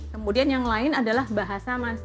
kemudian yang lain adalah bahasa mas